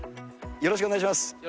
よろしくお願いします。